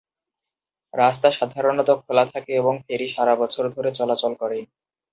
রাস্তা সাধারণত খোলা থাকে এবং ফেরি সারা বছর ধরে চলাচল করে।